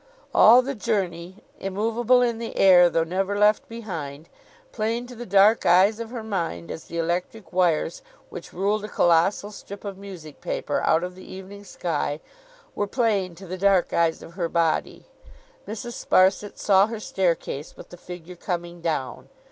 All the journey, immovable in the air though never left behind; plain to the dark eyes of her mind, as the electric wires which ruled a colossal strip of music paper out of the evening sky, were plain to the dark eyes of her body; Mrs. Sparsit saw her staircase, with the figure coming down.